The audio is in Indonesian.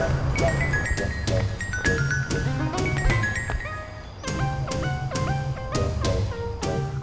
bang kes mates christian nya mati